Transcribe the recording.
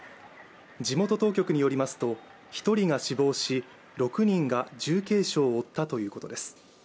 地元当局によりますと１人が死亡し６人が重軽傷を負ったということです。